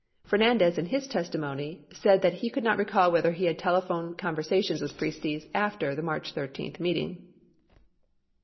94 Fernandez, in his testimony, said that he could not recall whether he had telephone con versations with Priestes after the March 13 meeting.